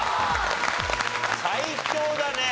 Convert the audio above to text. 最強だね！